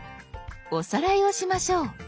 おさらいをしましょう。